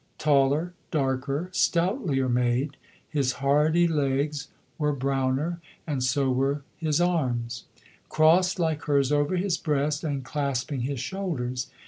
Taller, darker, stoutlier made, his hardy legs were browner, and so were his arms crossed like hers over his breast and clasping his shoulders.